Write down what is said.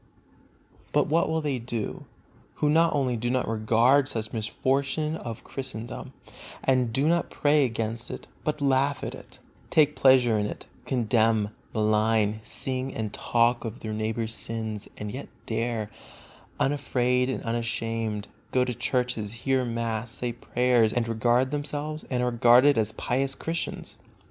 But what will they do, who not only do not regard such misfortune of Christendom, and do not pray against it, but laugh at it, take pleasure in it, condemn, malign, sing and talk of their neighbor's sins, and yet dare, unafraid and unashamed, go to church, hear mass, say prayers, and regard themselves and are regarded as pious Christians?